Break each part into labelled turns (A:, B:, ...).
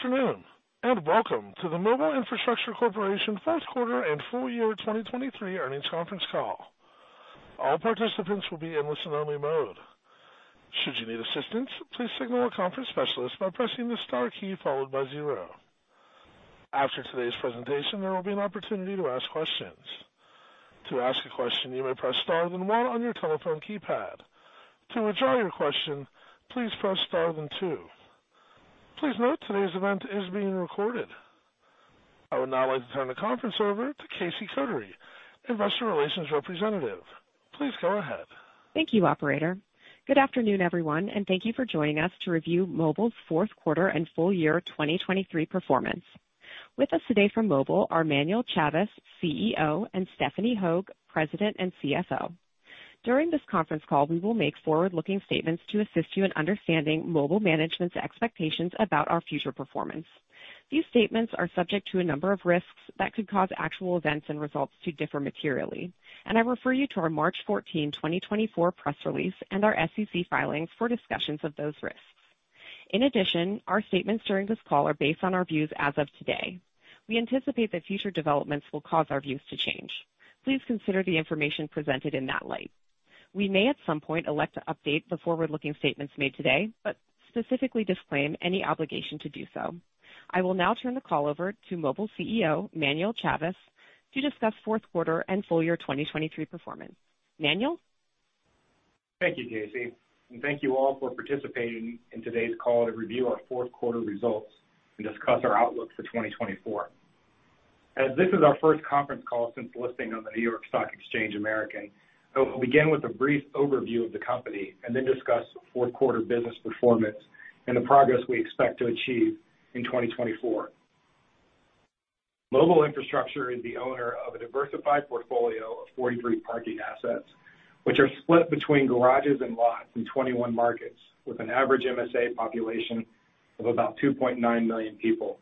A: Good afternoon, and welcome to the Mobile Infrastructure Corporation fourth quarter and full year 2023 earnings conference call. All participants will be in listen-only mode. Should you need assistance, please signal a conference specialist by pressing the star key followed by zero. After today's presentation, there will be an opportunity to ask questions. To ask a question, you may press star then one on your telephone keypad. To withdraw your question, please press star then two. Please note, today's event is being recorded. I would now like to turn the conference over to Casey Kotary, investor relations representative. Please go ahead.
B: Thank you, operator. Good afternoon, everyone, and thank you for joining us to review Mobile's fourth quarter and full year 2023 performance. With us today from Mobile are Manuel Chavez, CEO, and Stephanie Hogue, President and CFO. During this conference call, we will make forward-looking statements to assist you in understanding Mobile Management's expectations about our future performance. These statements are subject to a number of risks that could cause actual events and results to differ materially, and I refer you to our March fourteenth, 2024, press release and our SEC filings for discussions of those risks. In addition, our statements during this call are based on our views as of today. We anticipate that future developments will cause our views to change. Please consider the information presented in that light. We may, at some point, elect to update the forward-looking statements made today, but specifically disclaim any obligation to do so. I will now turn the call over to Mobile's CEO, Manuel Chavez, to discuss fourth quarter and full year 2023 performance. Manuel?
C: Thank you, Casey, and thank you all for participating in today's call to review our fourth quarter results and discuss our outlook for 2024. As this is our first conference call since listing on the New York Stock Exchange American, I will begin with a brief overview of the company and then discuss fourth quarter business performance and the progress we expect to achieve in 2024. Mobile Infrastructure is the owner of a diversified portfolio of 43 parking assets, which are split between garages and lots in 21 markets, with an average MSA population of about 2.9 million people,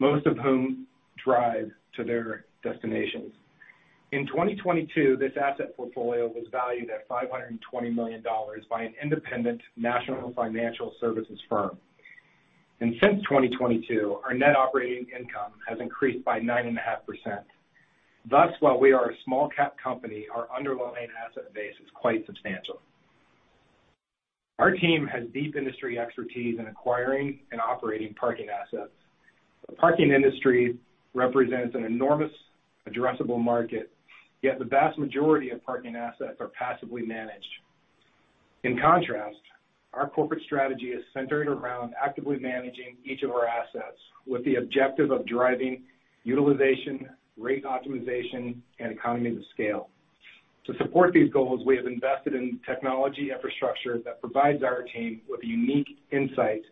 C: most of whom drive to their destinations. In 2022, this asset portfolio was valued at $520 million by an independent national financial services firm. Since 2022, our net operating income has increased by 9.5%. Thus, while we are a small cap company, our underlying asset base is quite substantial. Our team has deep industry expertise in acquiring and operating parking assets. The parking industry represents an enormous addressable market, yet the vast majority of parking assets are passively managed. In contrast, our corporate strategy is centered around actively managing each of our assets with the objective of driving utilization, rate optimization, and economies of scale. To support these goals, we have invested in technology infrastructure that provides our team with unique insights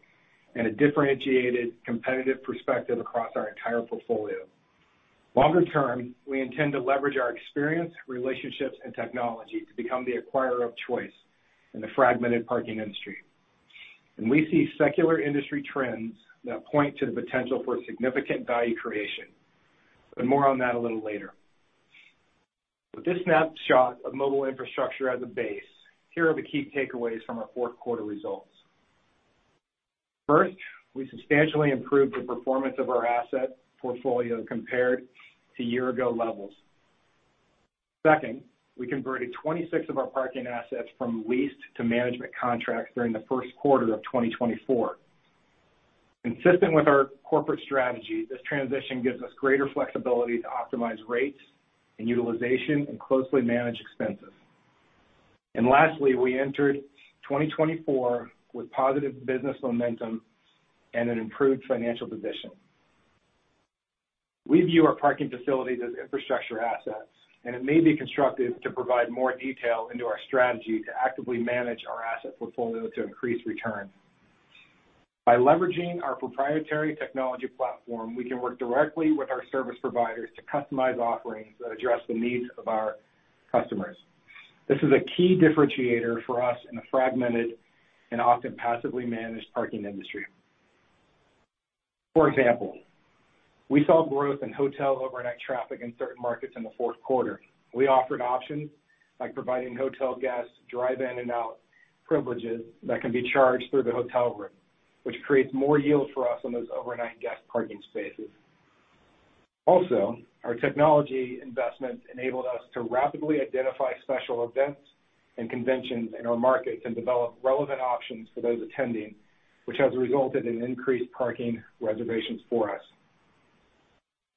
C: and a differentiated competitive perspective across our entire portfolio. Longer term, we intend to leverage our experience, relationships, and technology to become the acquirer of choice in the fragmented parking industry. We see secular industry trends that point to the potential for significant value creation, but more on that a little later. With this snapshot of Mobile Infrastructure as a base, here are the key takeaways from our fourth quarter results. First, we substantially improved the performance of our asset portfolio compared to year-ago levels. Second, we converted 26 of our parking assets from leased to management contracts during the first quarter of 2024. Consistent with our corporate strategy, this transition gives us greater flexibility to optimize rates and utilization and closely manage expenses. Lastly, we entered 2024 with positive business momentum and an improved financial position. We view our parking facilities as infrastructure assets, and it may be constructive to provide more detail into our strategy to actively manage our asset portfolio to increase return. By leveraging our proprietary technology platform, we can work directly with our service providers to customize offerings that address the needs of our customers. This is a key differentiator for us in a fragmented and often passively managed parking industry. For example, we saw growth in hotel overnight traffic in certain markets in the fourth quarter. We offered options like providing hotel guests drive in and out privileges that can be charged through the hotel room, which creates more yield for us on those overnight guest parking spaces. Also, our technology investments enabled us to rapidly identify special events and conventions in our market and develop relevant options for those attending, which has resulted in increased parking reservations for us.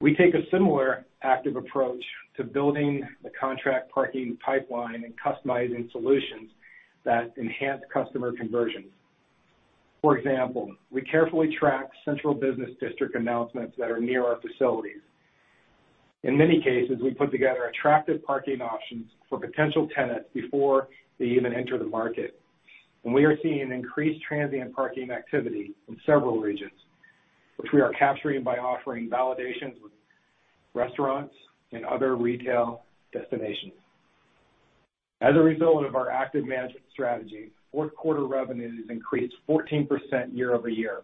C: We take a similar active approach to building the contract parking pipeline and customizing solutions that enhance customer conversions. For example, we carefully track central business district announcements that are near our facilities. In many cases, we put together attractive parking options for potential tenants before they even enter the market. And we are seeing increased transient parking activity in several regions, which we are capturing by offering validations with restaurants and other retail destinations. As a result of our active management strategy, fourth quarter revenues increased 14% year-over-year.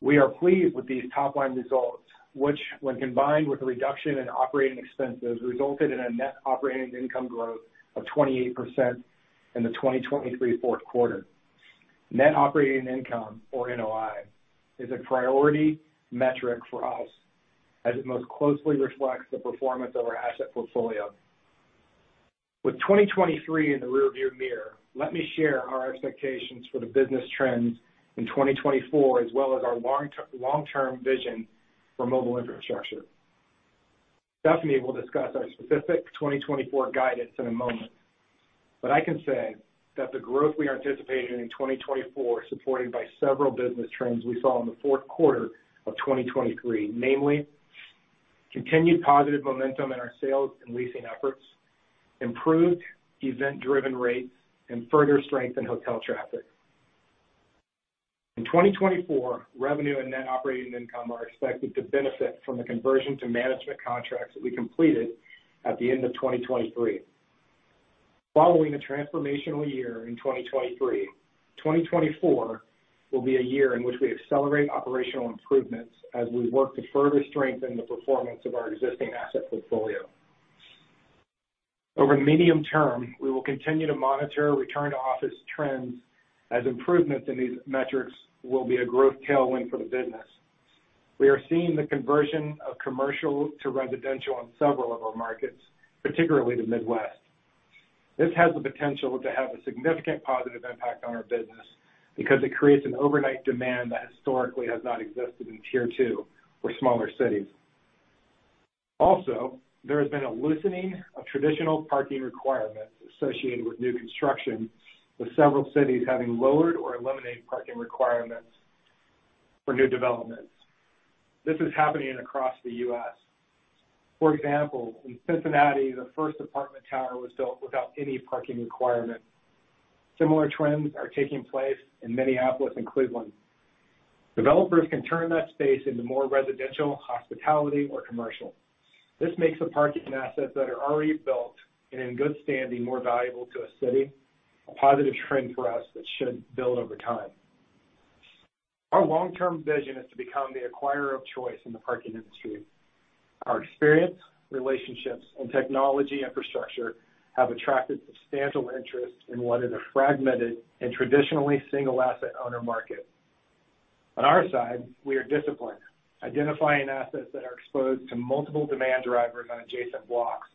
C: We are pleased with these top-line results, which, when combined with a reduction in operating expenses, resulted in a net operating income growth of 28% in the 2023 fourth quarter. Net operating income, or NOI, is a priority metric for us, as it most closely reflects the performance of our asset portfolio. With 2023 in the rearview mirror, let me share our expectations for the business trends in 2024, as well as our long-term vision for Mobile Infrastructure. Stephanie will discuss our specific 2024 guidance in a moment, but I can say that the growth we are anticipating in 2024, supported by several business trends we saw in the fourth quarter of 2023, namely, continued positive momentum in our sales and leasing efforts, improved event-driven rates, and further strength in hotel traffic. In 2024, revenue and net operating income are expected to benefit from the conversion to management contracts that we completed at the end of 2023. Following a transformational year in 2023, 2024 will be a year in which we accelerate operational improvements as we work to further strengthen the performance of our existing asset portfolio. Over the medium term, we will continue to monitor return-to-office trends, as improvements in these metrics will be a growth tailwind for the business. We are seeing the conversion of commercial to residential in several of our markets, particularly the Midwest. This has the potential to have a significant positive impact on our business, because it creates an overnight demand that historically has not existed in Tier 2 or smaller cities. Also, there has been a loosening of traditional parking requirements associated with new construction, with several cities having lowered or eliminated parking requirements for new developments. This is happening across the U.S. For example, in Cincinnati, the first apartment tower was built without any parking requirement. Similar trends are taking place in Minneapolis and Cleveland. Developers can turn that space into more residential, hospitality, or commercial. This makes the parking assets that are already built and in good standing more valuable to a city, a positive trend for us that should build over time. Our long-term vision is to become the acquirer of choice in the parking industry. Our experience, relationships, and technology infrastructure have attracted substantial interest in what is a fragmented and traditionally single asset owner market. On our side, we are disciplined, identifying assets that are exposed to multiple demand drivers on adjacent blocks,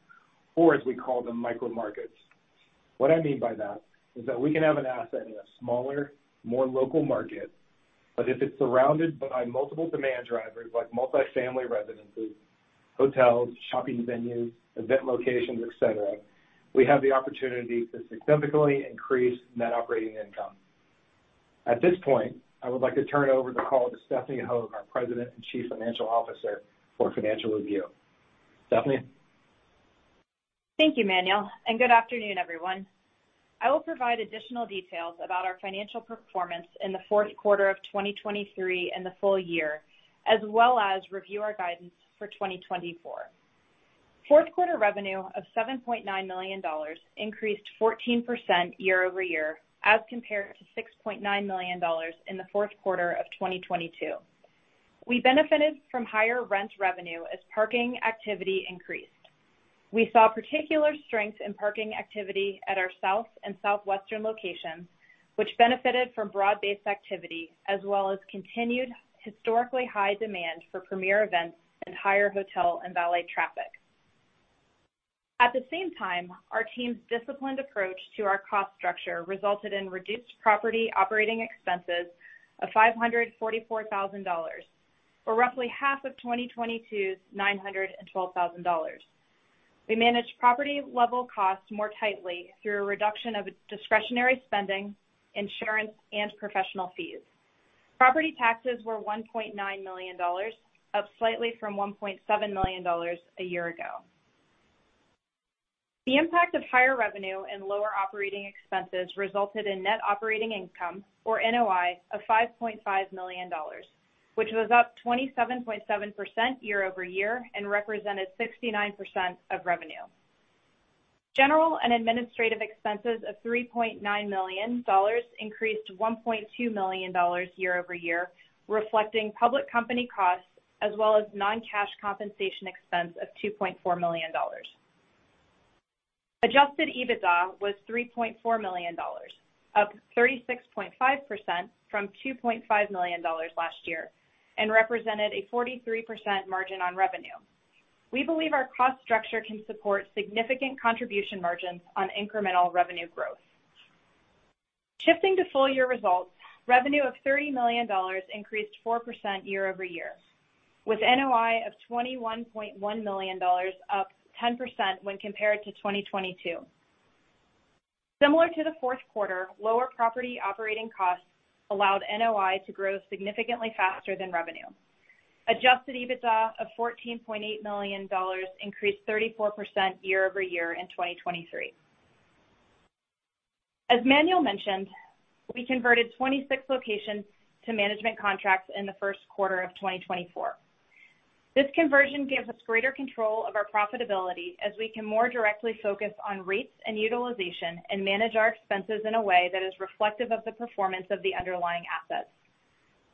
C: or, as we call them, Micro Markets. What I mean by that is that we can have an asset in a smaller, more local market, but if it's surrounded by multiple demand drivers, like multifamily residences, hotels, shopping venues, event locations, et cetera, we have the opportunity to significantly increase net operating income. At this point, I would like to turn over the call to Stephanie Hogue, our president and chief financial officer, for a financial review. Stephanie?
D: Thank you, Manuel, and good afternoon, everyone. I will provide additional details about our financial performance in the fourth quarter of 2023 and the full year, as well as review our guidance for 2024. Fourth quarter revenue of $7.9 million increased 14% year-over-year, as compared to $6.9 million in the fourth quarter of 2022. We benefited from higher rent revenue as parking activity increased. We saw particular strength in parking activity at our South and Southwestern locations, which benefited from broad-based activity as well as continued historically high demand for premier events and higher hotel and valet traffic. At the same time, our team's disciplined approach to our cost structure resulted in reduced property operating expenses of $544,000, or roughly half of 2022's $912,000. We managed property-level costs more tightly through a reduction of discretionary spending, insurance, and professional fees. Property taxes were $1.9 million, up slightly from $1.7 million a year ago. The impact of higher revenue and lower operating expenses resulted in net operating income, or NOI, of $5.5 million, which was up 27.7% year over year and represented 69% of revenue. General and administrative expenses of $3.9 million increased $1.2 million year over year, reflecting public company costs as well as non-cash compensation expense of $2.4 million. Adjusted EBITDA was $3.4 million, up 36.5% from $2.5 million last year, and represented a 43% margin on revenue. We believe our cost structure can support significant contribution margins on incremental revenue growth. Shifting to full year results, revenue of $30 million increased 4% year over year, with NOI of $21.1 million, up 10% when compared to 2022. Similar to the fourth quarter, lower property operating costs allowed NOI to grow significantly faster than revenue. Adjusted EBITDA of $14.8 million increased 34% year over year in 2023. As Manuel mentioned, we converted 26 locations to management contracts in the first quarter of 2024. This conversion gives us greater control of our profitability, as we can more directly focus on rates and utilization and manage our expenses in a way that is reflective of the performance of the underlying assets.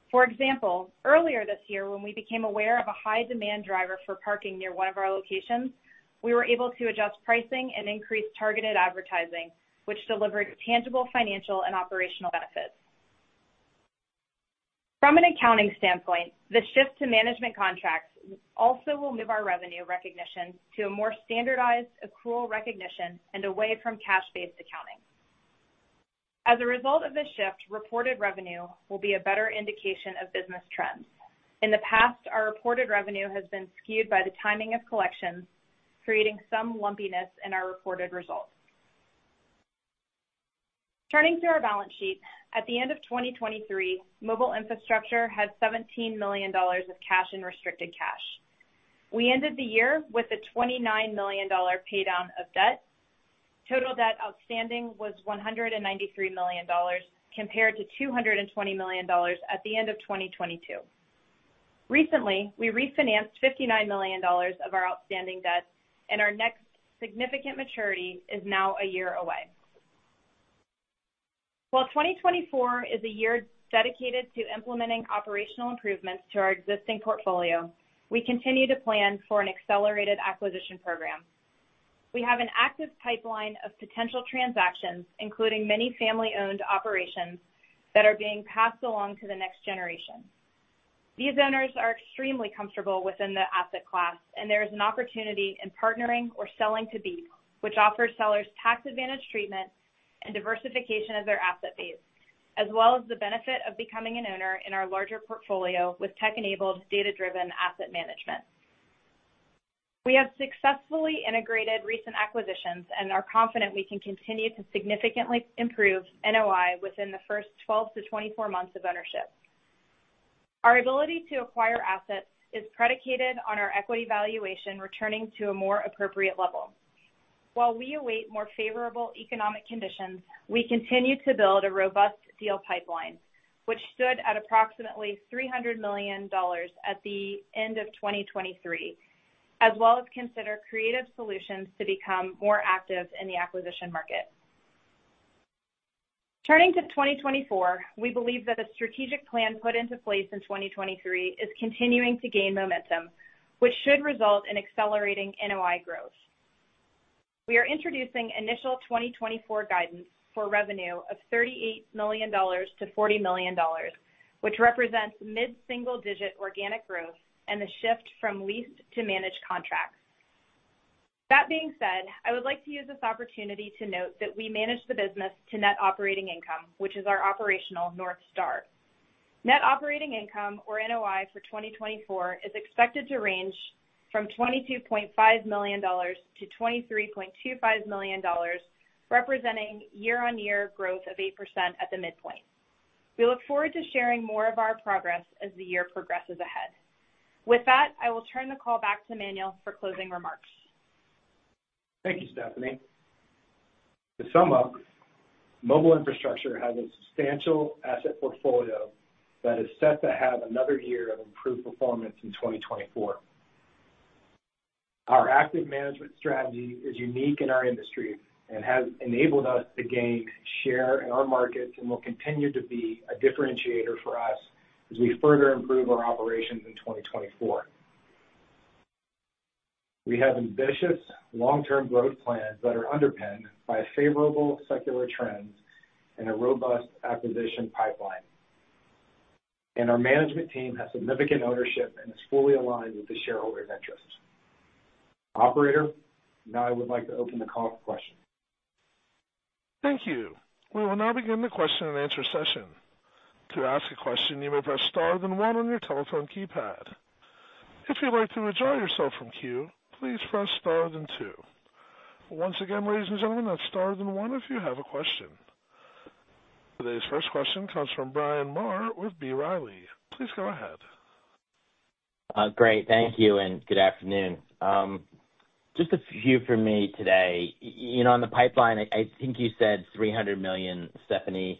D: For example, earlier this year, when we became aware of a high demand driver for parking near one of our locations, we were able to adjust pricing and increase targeted advertising, which delivered tangible financial and operational benefits. From an accounting standpoint, the shift to management contracts also will move our revenue recognition to a more standardized accrual recognition and away from cash-based accounting. As a result of this shift, reported revenue will be a better indication of business trends. In the past, our reported revenue has been skewed by the timing of collections, creating some lumpiness in our reported results. Turning to our balance sheet, at the end of 2023, Mobile Infrastructure had $17 million of cash and restricted cash. We ended the year with a $29 million pay down of debt. Total debt outstanding was $193 million, compared to $220 million at the end of 2022. Recently, we refinanced $59 million of our outstanding debt, and our next significant maturity is now a year away. While 2024 is a year dedicated to implementing operational improvements to our existing portfolio, we continue to plan for an accelerated acquisition program. We have an active pipeline of potential transactions, including many family-owned operations, that are being passed along to the next generation. These owners are extremely comfortable within the asset class, and there is an opportunity in partnering or selling to BEEP, which offers sellers tax advantage treatment and diversification of their asset base, as well as the benefit of becoming an owner in our larger portfolio with tech-enabled, data-driven asset management. We have successfully integrated recent acquisitions and are confident we can continue to significantly improve NOI within the first 12-24 months of ownership. Our ability to acquire assets is predicated on our equity valuation returning to a more appropriate level. While we await more favorable economic conditions, we continue to build a robust deal pipeline, which stood at approximately $300 million at the end of 2023, as well as consider creative solutions to become more active in the acquisition market. Turning to 2024, we believe that the strategic plan put into place in 2023 is continuing to gain momentum, which should result in accelerating NOI growth. We are introducing initial 2024 guidance for revenue of $38 million-$40 million, which represents mid-single digit organic growth and the shift from leased to managed contracts. That being said, I would like to use this opportunity to note that we manage the business to net operating income, which is our operational North Star. Net operating income, or NOI, for 2024 is expected to range from $22.5 million-$23.25 million, representing year-on-year growth of 8% at the midpoint. We look forward to sharing more of our progress as the year progresses ahead. With that, I will turn the call back to Manuel for closing remarks.
C: Thank you, Stephanie. To sum up, Mobile Infrastructure has a substantial asset portfolio that is set to have another year of improved performance in 2024. Our active management strategy is unique in our industry and has enabled us to gain share in our markets and will continue to be a differentiator for us as we further improve our operations in 2024. We have ambitious long-term growth plans that are underpinned by favorable secular trends and a robust acquisition pipeline. Our management team has significant ownership and is fully aligned with the shareholders' interests. Operator, now I would like to open the call for questions.
A: Thank you. We will now begin the question and answer session. To ask a question, you may press star then one on your telephone keypad. If you'd like to withdraw yourself from queue, please press star then two. Once again, ladies and gentlemen, that's star then one if you have a question. Today's first question comes from Bryan Maher with B. Riley. Please go ahead.
E: Great. Thank you, and good afternoon. Just a few from me today. You know, on the pipeline, I think you said $300 million, Stephanie.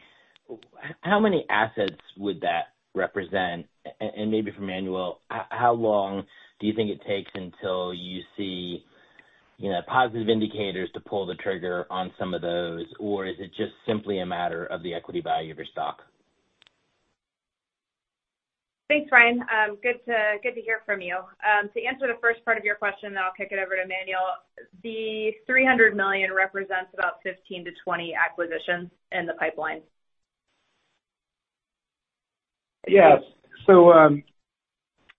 E: How many assets would that represent? And maybe for Manuel, how long do you think it takes until you see, you know, positive indicators to pull the trigger on some of those? Or is it just simply a matter of the equity value of your stock?
D: Thanks, Brian. Good to hear from you. To answer the first part of your question, then I'll kick it over to Manuel. The $300 million represents about 15-20 acquisitions in the pipeline.
C: Yeah. So,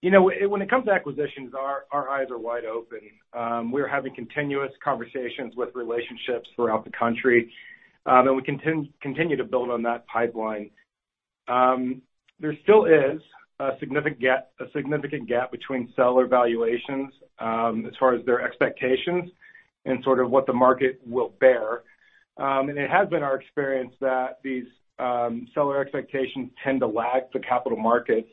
C: you know, when it comes to acquisitions, our eyes are wide open. We're having continuous conversations with relationships throughout the country, and we continue to build on that pipeline. There still is a significant gap, a significant gap between seller valuations, as far as their expectations and sort of what the market will bear. And it has been our experience that these seller expectations tend to lag the capital markets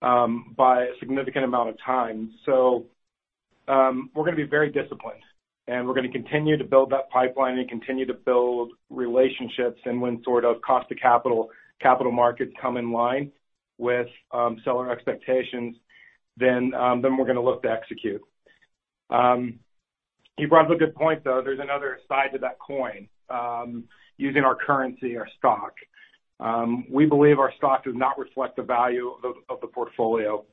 C: by a significant amount of time. So, we're gonna be very disciplined, and we're gonna continue to build that pipeline and continue to build relationships. And when sort of cost of capital, capital markets come in line with seller expectations, then we're gonna look to execute. You brought up a good point, though. There's another side to that coin, using our currency, our stock. We believe our stock does not reflect the value of the portfolio.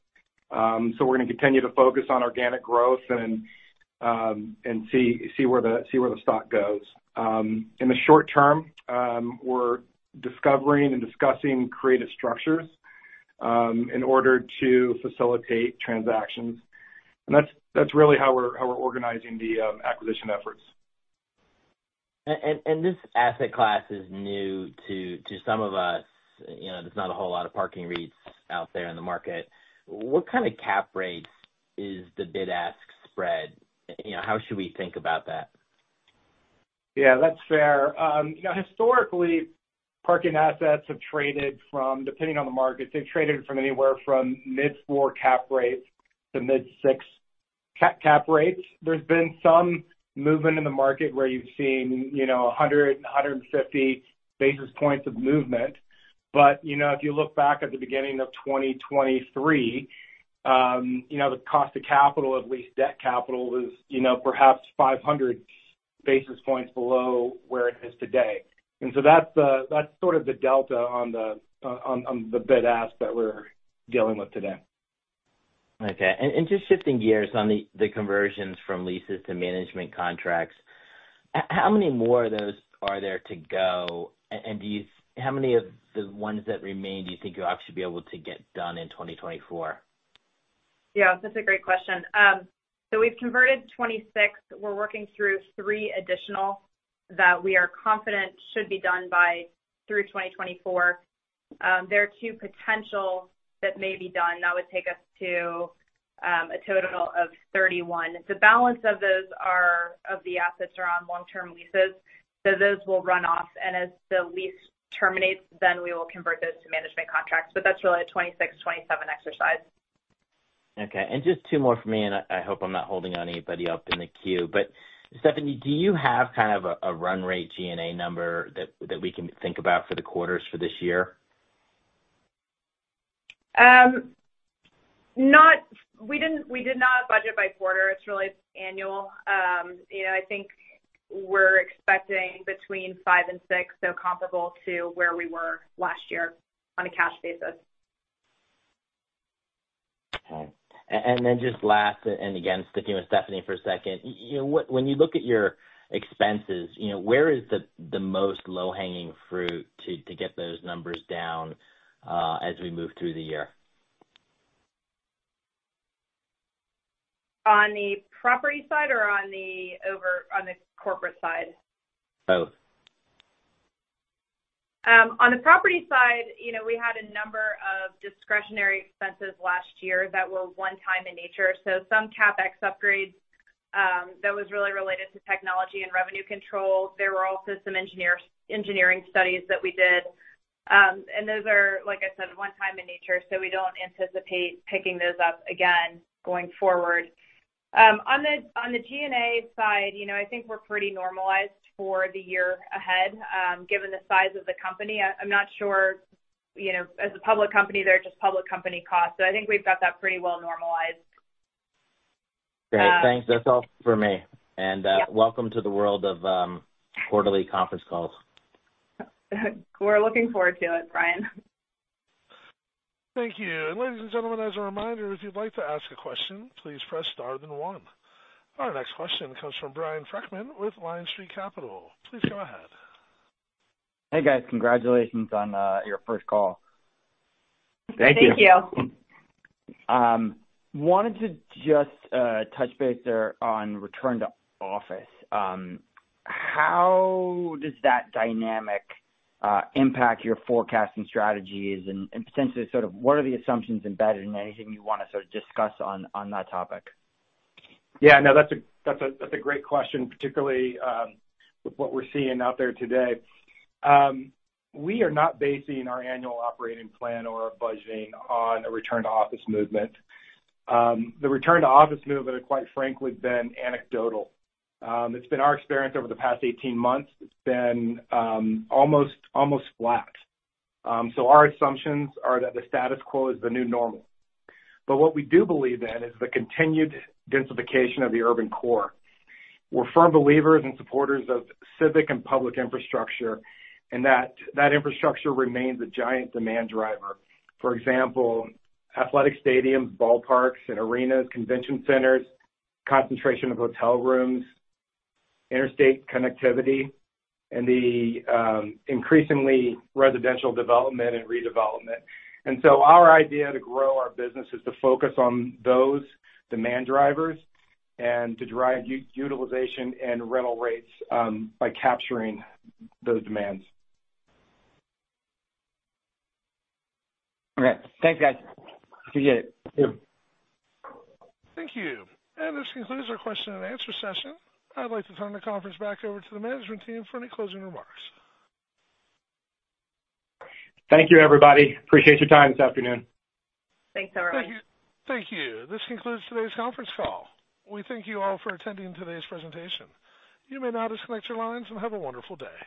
C: So we're gonna continue to focus on organic growth and see where the stock goes. In the short term, we're discovering and discussing creative structures in order to facilitate transactions. And that's really how we're organizing the acquisition efforts.
E: This asset class is new to some of us. You know, there's not a whole lot of parking REITs out there in the market. What kind of cap rates is the bid-ask spread? You know, how should we think about that?
C: Yeah, that's fair. You know, historically, parking assets have traded from, depending on the markets, they've traded from anywhere from mid-4 cap rates to mid-6 cap rates. There's been some movement in the market where you've seen, you know, 100, 150 basis points of movement. But, you know, if you look back at the beginning of 2023, you know, the cost of capital, at least debt capital, is, you know, perhaps 500 basis points below where it is today. And so that's-- that's sort of the delta on the bid-ask that we're dealing with today.
E: Okay. And just shifting gears on the conversions from leases to management contracts. How many more of those are there to go? And how many of the ones that remain do you think you actually be able to get done in 2024?
D: Yeah, that's a great question. So we've converted 26. We're working through 3 additional that we are confident should be done by through 2024. There are 2 potential that may be done. That would take us to a total of 31. The balance of those assets are on long-term leases, so those will run off, and as the lease terminates, then we will convert those to management contracts. But that's really a 26, 27 exercise.
E: Okay, and just two more for me, and I hope I'm not holding anybody up in the queue. But Stephanie, do you have kind of a run rate G&A number that we can think about for the quarters for this year?
D: Not, we didn't, we did not budget by quarter. It's really annual. You know, I think we're expecting between five and six, so comparable to where we were last year on a cash basis.
E: Okay. And then just last, and again, sticking with Stephanie for a second. You know, when you look at your expenses, you know, where is the most low-hanging fruit to get those numbers down, as we move through the year?
D: On the property side or on the corporate side?
E: Both.
D: On the property side, you know, we had a number of discretionary expenses last year that were one-time in nature, so some CapEx upgrades that was really related to technology and revenue controls. There were also some engineering studies that we did. And those are, like I said, one-time in nature, so we don't anticipate picking those up again going forward. On the G&A side, you know, I think we're pretty normalized for the year ahead. Given the size of the company, I'm not sure, you know, as a public company, they're just public company costs, so I think we've got that pretty well normalized.
E: Great. Thanks. That's all for me.
D: Yep.
E: Welcome to the world of quarterly conference calls.
D: We're looking forward to it, Brian.
A: Thank you. And ladies and gentlemen, as a reminder, if you'd like to ask a question, please press star then one. Our next question comes from Brian Freckmann with Lyon Street Capital. Please go ahead.
F: Hey, guys. Congratulations on your first call.
C: Thank you.
D: Thank you.
F: Wanted to just touch base there on return to office. How does that dynamic impact your forecasting strategies and potentially sort of what are the assumptions embedded, and anything you want to sort of discuss on that topic?
C: Yeah, no, that's a great question, particularly, with what we're seeing out there today. We are not basing our annual operating plan or our budgeting on a return to office movement. The return to office movement have, quite frankly, been anecdotal. It's been our experience over the past 18 months, it's been, almost flat. So our assumptions are that the status quo is the new normal. But what we do believe in is the continued densification of the urban core. We're firm believers and supporters of civic and public infrastructure, and that infrastructure remains a giant demand driver. For example, athletic stadiums, ballparks and arenas, convention centers, concentration of hotel rooms, interstate connectivity, and the, increasingly residential development and redevelopment. And so our idea to grow our business is to focus on those demand drivers and to drive utilization and rental rates by capturing those demands.
F: Okay. Thanks, guys. Appreciate it.
C: Thank you.
A: Thank you. This concludes our question and answer session. I'd like to turn the conference back over to the management team for any closing remarks.
C: Thank you, everybody. Appreciate your time this afternoon.
D: Thanks, everyone.
A: Thank you. Thank you. This concludes today's conference call. We thank you all for attending today's presentation. You may now disconnect your lines, and have a wonderful day.